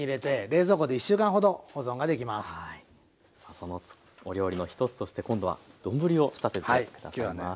そのお料理の一つして今度は丼を仕立てて下さいます。